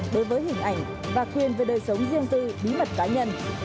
đối với hình ảnh và quyền về đời sống riêng tư bí mật cá nhân